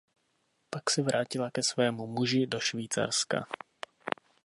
Pak se vrátila ke svému muži do Švýcarska.